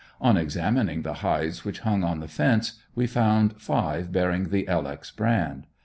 On examining the hides which hung on the fence we found five bearing the "L. X." brand.